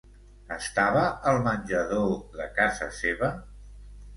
Estava al menjador de casa seva?